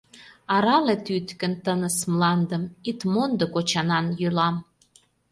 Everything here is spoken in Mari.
Арале тӱткын тыныс мландым, Ит мондо кочанан йӱлам.